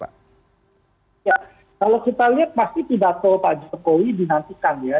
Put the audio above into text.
ya kalau kita lihat pasti pidato pak jokowi dinantikan ya